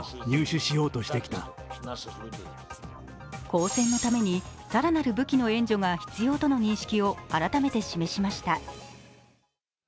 抗戦のために更なる武器の援助が必要との認識を改めて示しました。